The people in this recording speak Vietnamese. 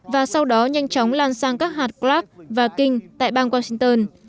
và sau đó nhanh chóng lan sang các hạt clark và king tại bang washington